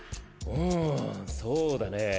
んそうだね。